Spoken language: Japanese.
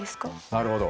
なるほど。